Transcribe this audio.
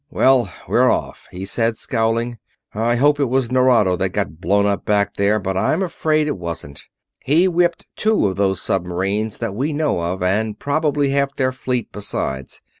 "Well, we're off," he said, scowling. "I hope it was Nerado that got blown up back there, but I'm afraid it wasn't. He whipped two of those submarines that we know of, and probably half their fleet besides.